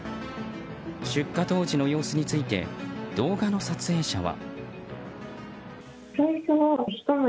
出火当時の様子について動画の撮影者は。